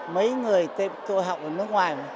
mấy người tôi học ở nước ngoài